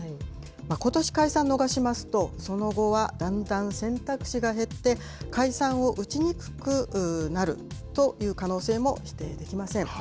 ことし解散を逃しますと、その後はだんだん選択肢が減って、解散を打ちにくくなるという可能性も否定できません。